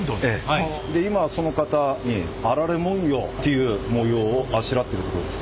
今はその型にあられ文様という模様をあしらっているところです。